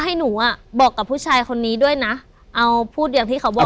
ให้หนูอ่ะบอกกับผู้ชายคนนี้ด้วยนะเอาพูดอย่างที่เขาบอก